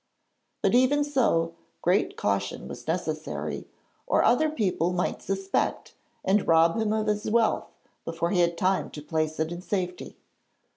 But even so, great caution was necessary, or other people might suspect and rob him of his wealth before he had time to place it in safety.